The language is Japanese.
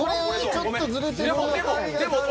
ちょっとずれてる。